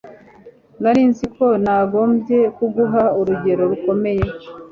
Nari nzi ko nagombye kuguha urugero rukomeye.